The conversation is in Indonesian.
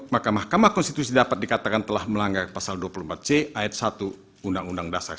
maka mahkamah konstitusi dapat dikatakan telah melanggar pasal dua puluh empat c ayat satu undang undang dasar